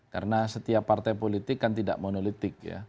karena setiap partai politik kan tidak monolitik